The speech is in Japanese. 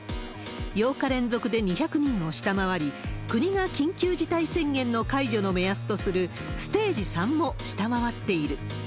８日連続で２００人を下回り、国が緊急事態宣言の解除の目安とするステージ３も下回っている。